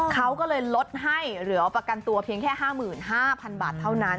เขาก็เลยลดให้เหลือประกันตัวเพียงแค่๕๕๐๐๐บาทเท่านั้น